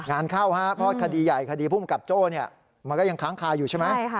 งานเข้าฮะเพราะคดีใหญ่คดีภูมิกับโจ้มันก็ยังค้างคาอยู่ใช่ไหม